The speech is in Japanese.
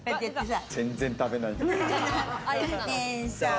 全然食べない。